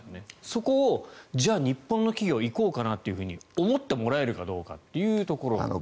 そこをじゃあ、日本の企業に行こうかなと思ってもらえるかどうかというところ。